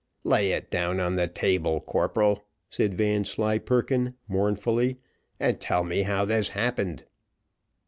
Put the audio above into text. "Lay it down on the table, corporal," said Vanslyperken, mournfully, "and tell me how this happened."